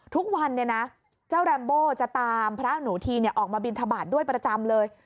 ทุกวันเจ้าแรมโบจะตามพระอาณูธีออกมาบินทบาทด้วยประจำเลย